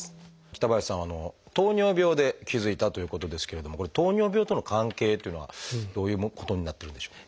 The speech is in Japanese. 北林さんは糖尿病で気付いたということですけれどもこれ糖尿病との関係っていうのはどういうことになってるんでしょう？